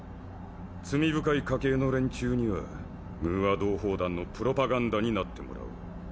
罪深い家系の連中にはムーア同胞団のプロパガンダになってもらおう。